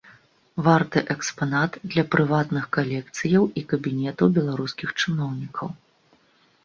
Варты экспанат для прыватных калекцыяў і кабінетаў беларускіх чыноўнікаў.